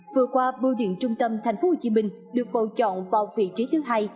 vừa qua bưu điện trung tâm tp hcm được bầu chọn vào vị trí thứ hai